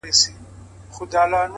مثبت انسان الهام خپروي’